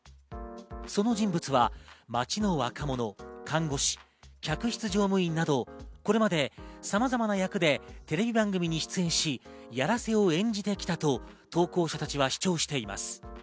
その人物は街の若者、看護師、客室乗務員など、これまでさまざまな役でテレビ番組に出演し、やらせを演じてきたと投稿者たちは主張しています。